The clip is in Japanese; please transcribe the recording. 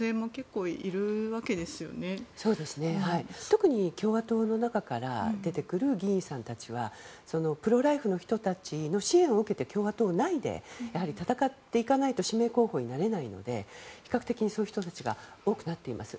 特に共和党の中から出てくる議員さんたちはプロ・ライフの人たちの支援を受けて共和党内で戦っていかないと指名候補になれないので比較的そういう人たちが多くなっています。